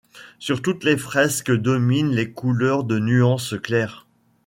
Sur toutes les fresques dominent les couleurs de nuances claires.